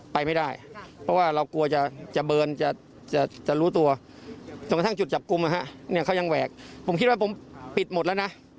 ผมคิดว่าผมปิดหมดแล้วนะ